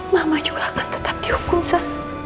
mama juga akan tetap dihukum pak